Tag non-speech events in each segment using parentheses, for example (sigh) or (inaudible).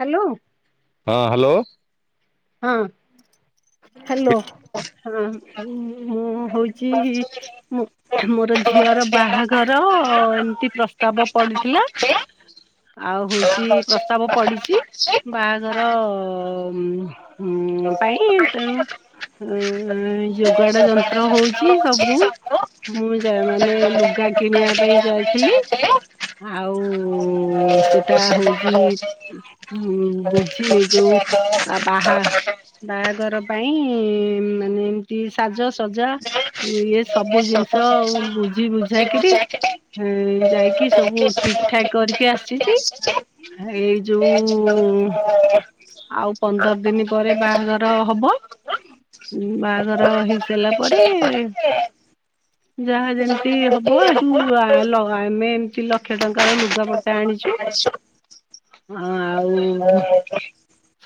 Hello. ହଁ hello. ହଁ hello ହଁ ମୁଁ ହୋଉଛି ମୋ ମୋର ଝିଅର ବାହାଘର ଏମିତି ପ୍ରସ୍ତାବ ପଡିଥିଲା। ଆଉ ହୋଉଛି ପ୍ରସ୍ତାବ ପଡିଛି ବାହାଘର ହୁଁ ପାଇଁ ତେଣୁ ଉଁ ଯୋଗାଡ ଯନ୍ତ୍ର ହଉଛି ସବୁ ମୁଁ ଯାଏ ମାନେ ଲୁଗା କିଣିବା ପାଇଁ ଯାଇଥିଲି। ଆଉ ସେଟା ହଉଛି ଛି ଯୋଉ ବାହା ବାହାଘର ପାଇଁ ମାନେ ଟି ସାଜସଜା ଯେ ଇଏ ସବୁ ଜିନିଷ ବୁଝି ବୁଝାକିରି ହୁଁ ଯାଇକି ସବୁ ଠିକ ଠାକ କରିକି ଆସିଛି। ଏଇ ସବୁ ଜିନିଷ ଯୋଉ ଚାଲିଛି। ଆଉ ପ ହଁ ପନ୍ଦର ଦିନ ପରେ ବାହାଘର ହବ ବାହାଘର ହେଇସାରିଲା ପରେ (inaudible) ଯାହା ଯେମିତି ହବ ଏଠୁ ଆ ଲ ଆମେ ଏମତି ଲକ୍ଷେ ଟଙ୍କାର ଲୁ (unintelligible) ହଁ ଆଉ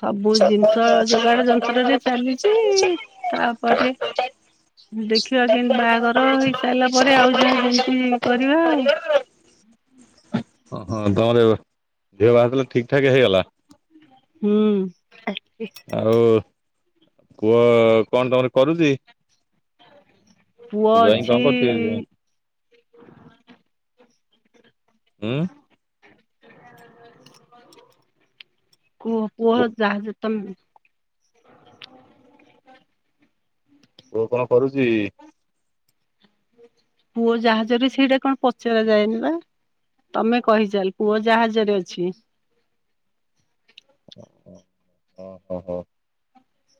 ସବୁ ଜିନିଷ ଯୋଗାଡ ଯନ୍ତ୍ରରେ (unintelligible) ଚାଲିଛି ଆଁ ତାପରେ ହଁ ତମର ଦେଖିବା କେମିତି ବାହାଘର ଏ ହେଇସାରିଲା ପରେ ବ ଆଉ ଯାହା ଯେମିତି ଝିଅ କରିବା ଆଉ। ବାହାଘର ତାହାଲେ ଠିକ ଠାକ ହେଇଗଲା? ହୁଁ (unintelligible) ଆଉ ପୁଅ କଣ ତମର କରୁଛି ପୁଅ ଜଇଁ ଅଛି କଣ କରୁଛି ଜଇଁ? ଉଁ। (unintelligible) ଓହ ପୁହ ଯାହା ଯେ ତମ ପୁଅ କଣ କରୁଛି? ପୁଅ ଜାହାଜରେ ସେଇଟା କଣ ପଚରା ଯାଏନି ବା। ତମେ କହିଚାଲ ପୁଅ ଜାହାଜରେ ଅଛି। ଓହୋ ହ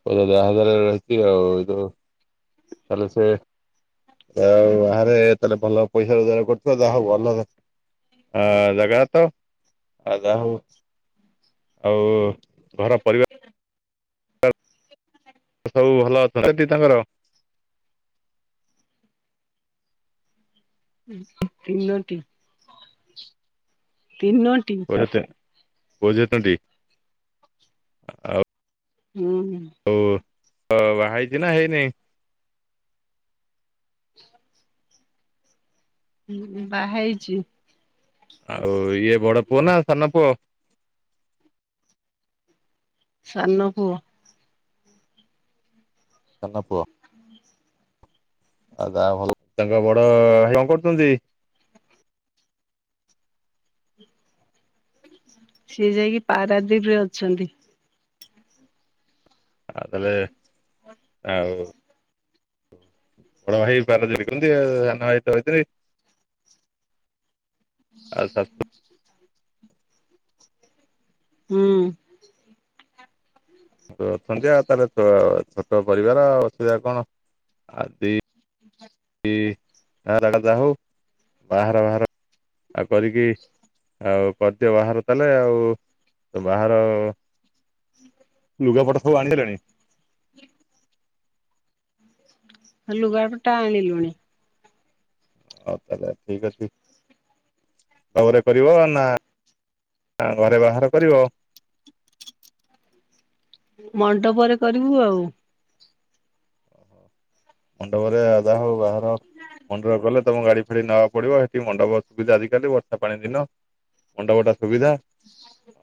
ପୁଅ ତ ଜାହାଜରେ ରହିଛି ଆଉ ଯୋଉ ତାହେଲେ ସେ ଆଉ ବାହାରେ ତାହେଲେ ଭଲ ପଇସା ରୋଜଗାର କରୁଥିବ ଯାହାହୋଉ ଭଲ ହଁ ଜାଗା ତ ଆ ଯାହାହୋଉ ଆଉ ଘର ପରିବା ସବୁ ଭଲ ଅଛନ୍ତି ସେଠି ତାଙ୍କର? ତିନୋଟି ତିନୋଟି। ପୁଅ ଝିଅ ତିନ ପୁଅ ଝିଅ ଟି ଆଉ ହୁଁ ତୁ ବାହାହେଇଛୁ ନା ହେଇନି ଆଛା ହଁ ବାହାହେଇଛି ଆଉ ଇଏ ବଡ଼ ପୁଅ ନା ସାନ ପୁଅ ସାନ ପୁଅ ସାନ ପୁଅ ଆଉ ଭଲ ତାଙ୍କ ବଡ଼ କଣ କରୁଛନ୍ତି ସିଏ ଯାଇକି ପାରାଦୀପିରେ ଅଛନ୍ତି ଆଉ ତାହେଲେ ଆଉ ବଡ଼ ଭାଇ ପାରାଦୀପିରେ କରନ୍ତି ଆଉ ସାନ ଭାଇ ଆସୁ ଛଛ ହୁଁ ଅଛନ୍ତି ଆଉ ତାହେଲେ ଛୋଟ ପରିବାର ଅସୁବିଧା କଣ ଆଦି ହ ତାର ଯାଆ ହଉ ବାହାର ବାହାର ଆଉ କରିକି ଆଉ କରିଦିଅ ବାହାର ତାହେଲେ ଆଉ ବାହାର ଲୁଗାପଟ ସବୁ ଆଣିିଲଣି ଲୁଗାପଟା ଆଣିଲୁଣି ହଉ ତାହେଲେ ଠିକ୍ ଅଛି ମଣ୍ଡପରେ କରିବ ନା ଘରେ ବାହାଘର କରିବ ମଣ୍ଡପରେ କରିବୁ ଆଉ ମଣ୍ଡପରେ ଯାହା ହଉ ବାହାଘର ମଣ୍ଡପରେ କଲେ ତମ ଗାଡ଼ି ଫାଡି ନବା ପଡ଼ିବ ସେଠି ମଣ୍ଡପ ସୁବିଧା ଆଜିକାଲି ବର୍ଷ ପାଣି ଦିନ ମଣ୍ଡପ ଟା ସୁବିଧା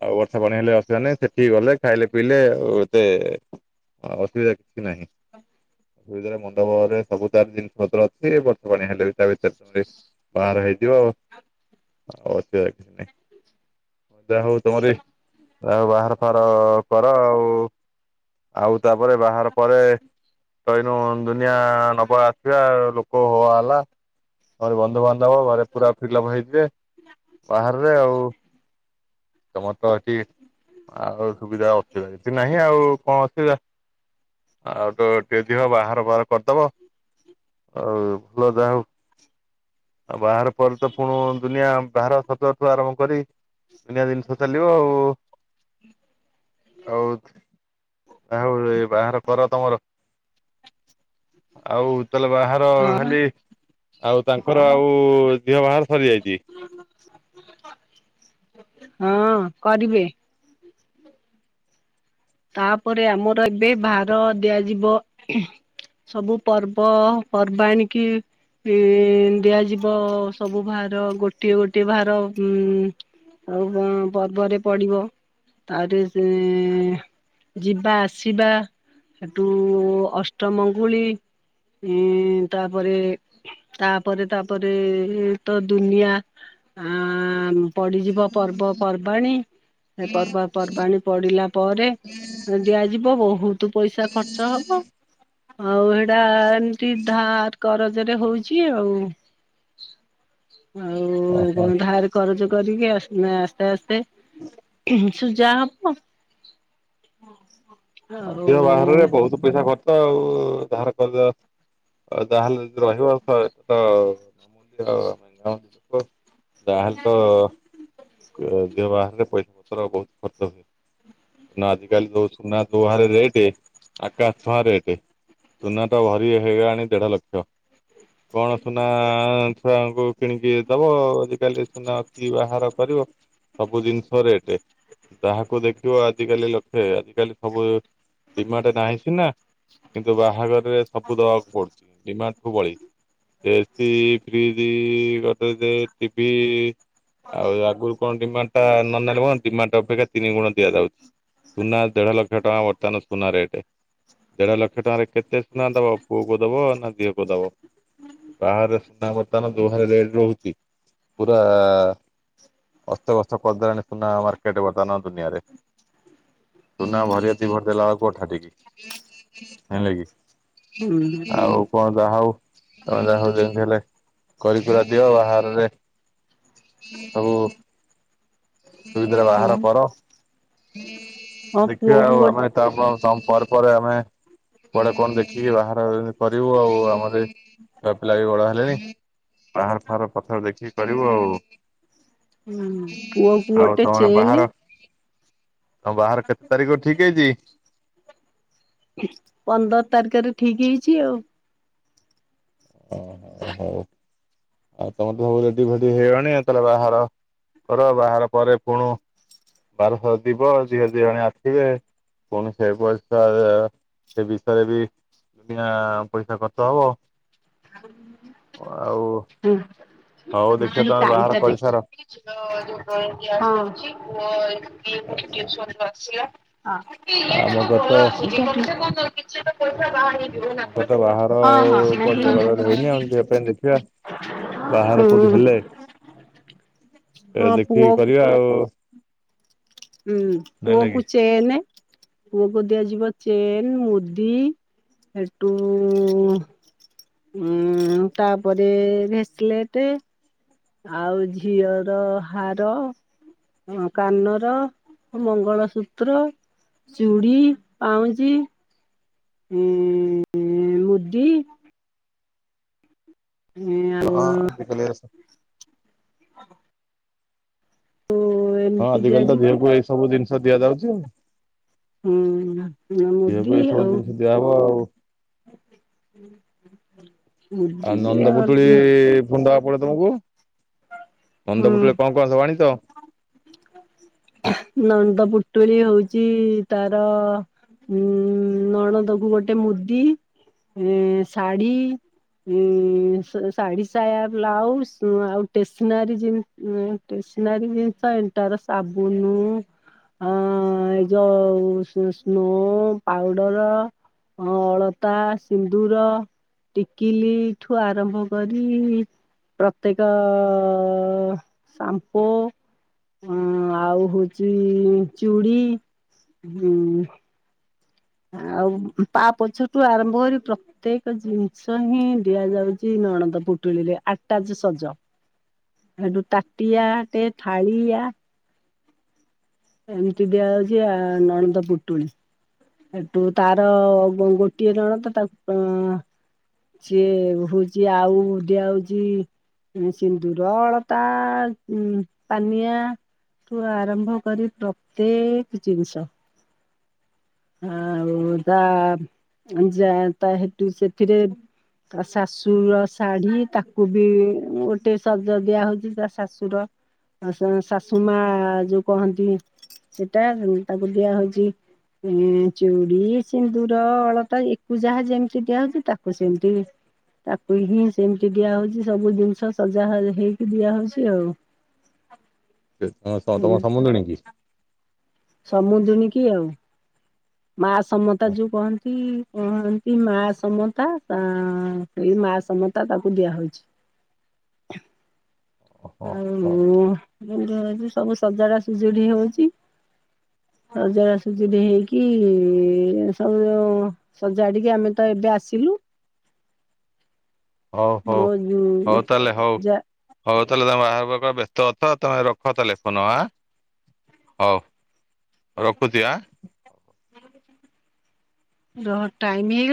ଆଉ ବର୍ଷା ପାଣି ହେଲେ ଅସୁବଧା ନାହିଁ ସେଠିକି ଗଲେ ଖାଇଲେ ପିଇଲେ ଆଉ ଏତେ ଆଉ ଅସୁବିଧା କିଛି ନାହିଁ ହଁ ମଣ୍ଡପଳରେ ସବୁ ତାର ଜିନିଷ ପତ୍ର ଅଛି ବର୍ଷ ପାଣି ହେଲେ ବି ତା ଭିତରେ ବାହାଘର ହେଇଯିବ ଆଉ ଅସୁବିଧା କିଛି ନାଇଁ ଯାହା ହଉ ତମରି ଯାହା ହଉ ବାହାଘର ଫାଘର କର ଆଉ ଆଉ ତାପରେ ବାହାର ପରେ କଇନୁ ଦୁନିଆ ନବଳ ଆସିବା ଆଉ ଲୋକ ହେଅ ହାଲା ଘରେ ବନ୍ଧୁବାନ୍ଧବ ଘରେ ପୁରା ଫିଲଅପ୍ ହେଇଥିବେ ବାହଘରେ ଆଉ ତମର ତ ସେଠି ଆଉ ସୁବିଧା ଅସୁବିଧା କିଛି ନାହିଁ ଆଉ କଣ ଅସୁବିଧା ଆଉ ତୋ ଦିଅର ବାହାଘର ଫାଘହାର କରିଦବ ଆଉ ପୁଅ ଯାହା ହଉ ଆଉ ବାହାଘର ପରେ ତ ପୁଣି ଦୁନିଆ ବାହାଘର ସଜଠୁ ଆରମ୍ଭ କରି ଦନିଆ ଜିନିଷ ଚାଲିବ ଆଉ ଆଉ ଯାହଉ ଏ ବାହାଘର ପରେ ତମର ଆଉ ତାହେଲେ ବାହାଘର ହଁ ଖାଲି ଆଉ ତାଙ୍କର ଆଉ ଝିଅ ବାହାଘର ସରି ଯାଇଛି ହଁ କରିବେ ତାପରେ ଆମର ଏବେ ଭାର ଦିଆଯିବ ସବୁ ପର୍ବ ପର୍ବା ଆଣିକି ଇଁ ଦିଆଯିବ ସବୁ ଭାର ଗୋଟିଏ ଗୋଟିଏ ଭାର ଉଁ ଆଉ ପ-ପର୍ବରେ ପଡିବ ତାରେ ସେ ଯିବା ଆସିବା ହେଠୁ ଅଷ୍ଟମଙ୍ଗୁଳି ଏଁ ତାପରେ ତାପରେ ତାପରେ ତ ଦୁନିଆ ଆଁ ପଡିଯିବ ପର୍ବପର୍ବାଣୀ। ସେ ପର୍ବ ପର୍ବାଣୀ ପଡିଲା ପରେ ତ ଦିଆଯିବ ବହୁତୁ ପଇସା ଖର୍ଚ୍ଚ ହବ। ଆଉ ଏଟା ଏମତି ଧାର କରଜରେ ହଉଚି ଆଉ। ଆଉ ଓହୋ। ବନ୍ଧା ର୍ କରଜ କରିକି ଆସ୍ନ ଆସ୍ତେ ଆସ୍ତେ ସୁଯା ହବ। ଅଁ ହଁ। ହଁ ଝିଅ ବାହଘରରେ ବହୁତୁ ପଇସା ଖର୍ଚଆଉ ଧାର କରଜ ଆ ଯାହାହେଲେ ତ ରହିବ (inaudible) ଯହାଲେ ତ ଏ ଝିଅ ବାହଘରରେ ପଇସା ପତ୍ର ବହୁତ ଖର୍ଚ୍ଚ ହୁଏ। ନା ଆଜିକାଲି ଯୋ ସୁନା ଯୋ ହରରେ ରେଟେ ଆକାଶଛୁଆଁ ରେଟେ। ସୁନା ଟା ଭରି ହେଇଗଲାଣି ଦେଢଲକ୍ଷ କଣ ସୁନା ଛୁଆଙ୍କୁ କିଣିକି ଦବ ଆଜିକାଲି ସୁନା କି ବାହାଘର କରିବ। ସବୁ ଜିନିଷ ରେଟେ ଯାହାକୁ ଦେଖ୍ ଦେଖିବ ଆଜିକାଲି ଲକ୍ଷେ ଆଜିକାଲି ସବୁ ଡିମାଣ୍ଟ ନାହିଁ ସିନା କିନ୍ତୁ ବାହାଘରରେ ସବୁ ଦବାକୁ ପଡୁଚି ଡିମାଣ୍ଡଠୁ ବଳି। ସେ ଏସି ଫ୍ରିଜି ଗଡରେଜେ ଟିଭିି ଆଉ ଆଗରୁ କଣ ଡିମାଣ୍ଡ ଟା ନ ନେଲେ କଣ ଡିମାଣ୍ଡ ଅପେକ୍ଷା ତିନି ଗୁଣ ଦିଆଯାଉଚି। ସୁନା ଦେଢଲକ୍ଷ ଟଙ୍କା ବର୍ତ୍ତମାନ ସୁନା ରେଟେ। ଦେଢଲକ୍ଷ ଟଙ୍କାରେ କେତେ ସୁନା ଦବ ପୁଅକୁ ଦବ ନା ଝିଅକୁ ଦବ। ବାହାଘରରେ ସୁନା ବର୍ତ୍ତମାନ ଯୋଉହାରେ ରେଟ୍ ରହୁଚି ପୁରା ଅସ୍ତବସ୍ତ କରିଦେଲାଣି ସୁନା ମାର୍କେଟ ବର୍ତ୍ତାନ ଦୁନିଆରେ। ସୁନା ଭରିଏ ଦିଭରି ଦେଲା ବେଳକୁୁ ଅଠାଠିକି ଯାଇଁଲ କି? ହୁଁ ଆଉ ପ ଯାହା ହଉ ତମେ ଯାହା ହଉ ଯେମିତି ହେଲେ କରିିକୁରା ଦିଅ ବାହହାରରେ ସବୁ ସୁବିଧାରେ ହଁ ବାହାଘର କର। ହଁ ଦେଖିବା ପୁଅକୁ ଆଉ ଗୋ ଆମେ ତା ପ-ପ-ପରେ ପରେ ଆମେ ପରେ କଣ ଦେଖିକି ବାହାଘର କରିବୁ ଆଉ। ଆମର ଏ ଛୁଆପିଲା ବି ବଡ ହେଲେଣି। ବାହାଘର ଫାହାଘର ପଛରେ ଦେଖିକି କରିବୁ ଆଉ। ପୁଅକୁ ଆଉ ଗୋଟେ ତମର ଚେନ୍ ବାହାଘର ତମ ବାହାଘର କେତେ ତାରିଖକୁ ଠିକ୍ ହେଇଚି? ପନ୍ଦର ତାରିକେରେ ଠିକ ହେଇଚି ଆଉ। ଓହୋ ହଉ ଆଉ ତମର ତ ରେଡି ଫେଡି ହେଇଗଲଣି ତାହଲେ ବାହାଘର କର ବାହାଘର ପରେ ପୁ-ଭାରଫାର ଯିବ ଝିଅ ଝିଆଣିଆ ଆସିବେ। ପୁଣ ସେ ପଇସା ସେ ବିଷୟରେ ବି କିଣା ପଇସା ଖର୍ଚ୍ଚ ହବ। (unintelligible) ଅ-ଆଉ ହୁଁ (inaudible) ଟାଇମ ଟା କରିସାର ଦେଖିଛକି? ସକାଳୁ ଯୋଉ ଗ୍ୟାସ୍ ସରିଚି। ପୁଅ ଏଇନୁ ଟିଉସନ ରୁ ଆସିଲା। ଇଏ ଆମ ତାଙ୍କ ଗତ ଭଲ ଆସିଚି ଖଚ୍ଚ କଣ ତ କିଛି ତ ପଇସା ବାହାରି ହେଇଯିବନା କହିଲେ। ଆଉ କରଜ ବାରଜ ହେଇନି ଆଉ ଝିଅ ପାଇଁ ଦେଖିଆ। ବାହାଘର ହୁଁ କୋଉଠି ହେଲେ ଏ ହଁ ଦେଖିକି ପୁଅକୁ କରିବା ଆଉ। ହୁଁ ନାଇଁଲେ ପୁଅକୁ କି ଚେନ୍ ପୁଅକୁ ଦିଆଯିବ ଚେନ୍ ମୁଦି। ସେ ଟୁ ଉ ଉ ହୁଁ ତାପରେ ଭେସଲେଟେ। ଆଉ ଝିଅର ହାର ହଁ କାନର ମଙ୍ଗଳସୂତ୍ର ଚୁଡ଼ି ପାଉଁଜି ହୁଁ ହୁଁ ମୁଦି ହଁ ଆଉ ହଁ ନେକ୍ଲସ୍ ହଁ ହଁ। ହଁ ଏମିତି ଆଜିକାଲି ଦିଆଯିବ ଝିଅକୁ ଏଇ ସବୁ ଜିନିଷ ଦିଆଯାଉଛି ହୁଁ ଆଉ। ଏବେ ଏ ସବୁ ଜିନିଷ ଦିଆହବ ଆଉ। ହୁଁ ହୁଁ ହୁଁ ହୁଁ ହୁଁ। ଆଉ ନଣନ୍ଦ ପୁଟୁଳି କଣ ଦବା ତମକୁ ନଣନ୍ଦ ପୁଟୁଳି କଣ କଣ ସବ ଆଣି ତ ନଣନ୍ଦ ପୁଟୁଳି ହଉଛି ତାର ହୁଁ ନଣନ୍ଦକୁ ଗୋଟେ ମୁଦି ଶାଢ଼ୀ ଶାଢ଼ୀ ସାୟା ବ୍ଲାଉଜ ଆଉ ଷ୍ଟେସନାରୀ ଜିନି ଷ୍ଟେସନରୀ ଜିନିଷ ଏଣ୍ଟାର ସାବୁନ ଆ ଏ ଯଉ ସୁ ସ୍ନୁ ପାଉଡର ହଁ ଅଳତା ସିନ୍ଦୁର ଟିକିଲି ଠୁ ଆରମ୍ଭ କରି ପ୍ରତ୍ୟକ ଶମ୍ପୋ ହୁଁ ଆଉ ହଉଚ ଚୁଡି ହୁଁ ଆଉ ପା ପଛଠୁ ଆରମ୍ଭ କରି ପ୍ରତ୍ୟେକ ଜିନିଷ ହିଁ ଦିଆଯାଉଛି ନଣଦ ପୁଟୁଳିରେ ଆଟାଜ ସଜ। ହେଟୁ ତାଟିଆ ଟେ ଥାଳିଆ ଏମିତି ଦିଆଯାଉଛି ଆ ନଣନ୍ଦ ପୁଟୁଳି। ହେଟୁ ତାର ଗୋ ଗୋଟିଏ ନଣନ୍ଦ ତାକୁ ସିଏ ହଉଛି ଆଉ ଦିଆ ହଉଛି ହୁଁ ସିନ୍ଦୁର ଅଳତା ଉଁ ପାନିଆ ଏଠୁ ଆରମ୍ଭ କରି ପ୍ରତ୍ୟେକ ଜିନିଷ। ଆଉ ତା ଯା ତା ହେତୁ ସେଥିରେ ତା ଶାଶୁର ଶାଢୀ ତାକୁ ବି ଗୋଟେ ଶଜ ଦିଆ ହଉଛି ତା ଶାଶୁର। ଶାଶୁ ମା ଯୋଉ କହନ୍ତି ସେଟା ତାକୁ ଦିଆ ହଉଛି। ଏ ଚୁଡି ସିନ୍ଦୁର ଅଳତା ୟାକୁ ଯାହା ଯେମିତି ଦିଆହଉଛି ତାକୁ ସେମିତି ତାକୁ ହିଁ ସେମିତି ଦିଆ ହଉଛି ସବୁ ଜିନିଷ ସଜା ହେଇକି ଦିଆ ହଉଛି ଆଉ ତ ତ ତମ ସମୁନ୍ଧୁଣୀ କି? ସମୁଦ୍ରଣୀ କି ଆଉ ମା ସମତା ଯୋଉ କହନ୍ତି? ହ ଏମତି ମା ସମତା ସେଇ ମା ସମତା ତାକୁ ଦିଆହଉଛି। ଓହୋ ଆଉ ହୋ ଏମତି ହଉଛି ସବୁ ସଜାଡା ସଜୁଡି ହଉଛି। ରଜ ଆସୁଛି (unintelligible) ହେଇ। କି ସବୁ ସଜାଡିକି ଆମେ ତ ଏବେ ଆସିଲୁ। ହଉ ହଉ- ମୋ ହଉ ତାହେଲେ ହଉ। ଯା ହଉ ତାହେଲେ ତମେ ବାହାହେବା ପାଇଁ ବ୍ୟସ୍ତ ଅତ, ତମେ ରଖ ତାହେଲେ ଫୋନ ଆଁ। ହଉ ରଖୁଛି ଆଁ। ରହ ଟାଇମ ହେ